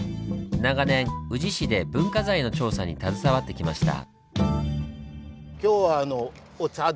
長年宇治市で文化財の調査に携わってきました。